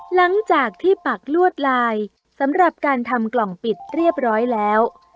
หลังจากที่ปักลวดลายสำหรับการทำกล่องปิดเรียบร้อยแล้ว